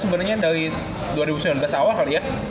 sebenarnya dari dua ribu sembilan belas awal kali ya